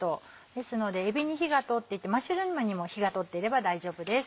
ですのでえびに火が通っていてマッシュルームにも火が通っていれば大丈夫です。